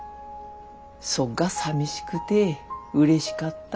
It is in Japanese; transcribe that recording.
そっがさみしくてうれしかった。